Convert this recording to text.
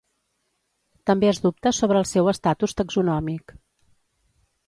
També es dubta sobre el seu estatus taxonòmic.